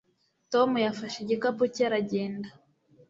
tom yafashe igikapu cye aragenda